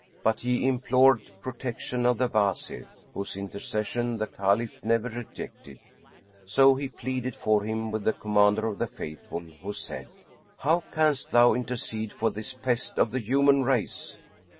[FN#90] But he implored protection of the Wazir whose intercession the Caliph never rejected, so he pleaded for him with the Commander of the Faithful who said, "How canst thou intercede for this pest of the human race?"